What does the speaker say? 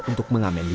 se surtout berjakensi